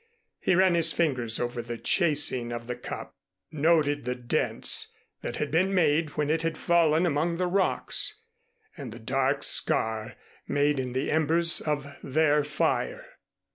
He ran his fingers over the chasing of the cup, noted the dents that had been made when it had fallen among the rocks, and the dark scar made in the embers of their fire.